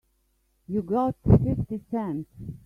You got fifty cents?